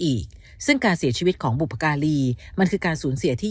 อีกซึ่งการเสียชีวิตของบุพการีมันคือการสูญเสียที่